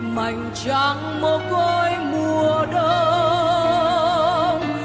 mảnh trăng mô côi mùa đông